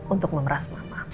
untuk memeras mama